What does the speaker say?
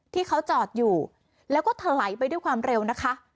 ที่เขาจอดอยู่แล้วก็ถลายไปด้วยความเร็วนะคะ